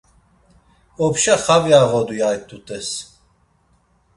Opşa xavi oğodu ya it̆ut̆es.